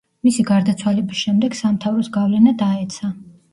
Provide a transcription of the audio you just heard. მისი გარდაცვალების შემდეგ სამთავროს გავლენა დაეცა.